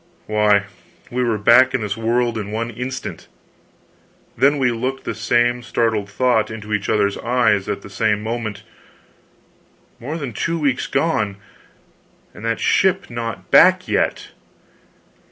Why, we were back in this world in one instant! Then we looked the same startled thought into each other's eyes at the same moment; more than two weeks gone, and that ship not back yet!